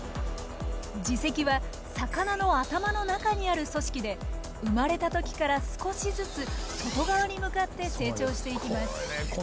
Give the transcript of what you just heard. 耳石は魚の頭の中にある組織で生まれた時から少しずつ外側に向かって成長していきます。